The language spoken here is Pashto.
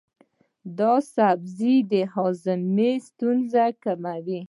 دا سبزی د هاضمې ستونزې کموي.